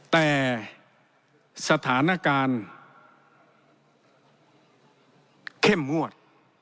แต่สถานการณ์เข้มงวด